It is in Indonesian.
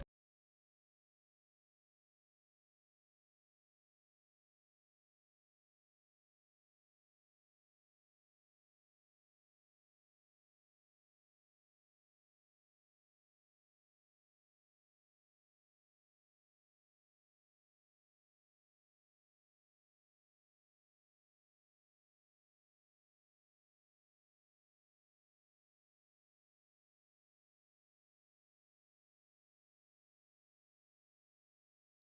nanti aku nungguin lo dari tadi